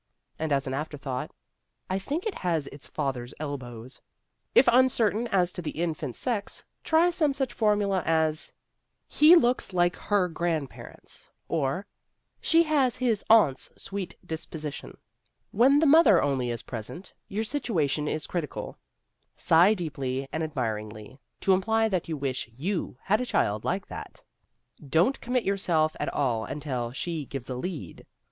And, as an afterthought, "I think it has its father's elbows." If uncertain as to the infant's sex, try some such formula as, "He looks like her grandparents," or "She has his aunt's sweet disposition." When the mother only is present, your situation is critical. Sigh deeply and admiringly, to imply that you wish you had a child like that. Don't commit yourself at all until she gives a lead.